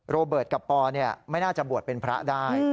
โรเบิร์ตกับปอไม่น่าจะบวชเป็นพระได้